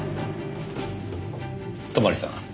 泊さん。